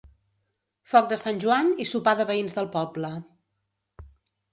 Foc de Sant Joan i sopar de veïns del poble.